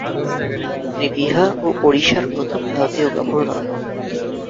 তিনি বিহার ও ওড়িশার প্রথম ভারতীয় গভর্নর হন।